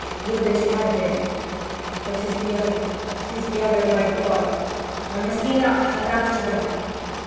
Would that you had been! But 'tis t'other, 'tis t'other, by G ! I must e'en up, and after 'em!'